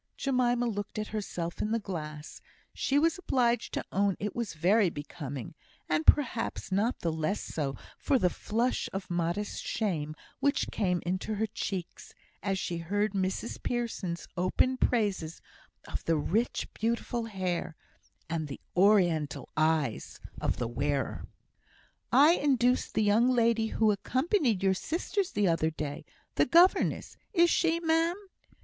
Jemima looked at herself in the glass; she was obliged to own it was very becoming, and perhaps not the less so for the flush of modest shame which came into her cheeks as she heard Mrs Pearson's open praises of the "rich, beautiful hair," and the "Oriental eyes" of the wearer. "I induced the young lady who accompanied your sisters the other day the governess, is she, ma'am?"